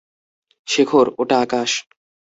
শেখর, ওটা আকাশ!